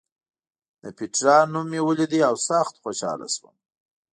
د پېټرا نوم مې ولید او سخت خوشاله شوم.